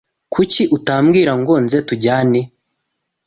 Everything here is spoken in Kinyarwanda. Kuki utambwira ngo nze tujyane